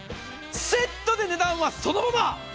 セットで値段はそのまま。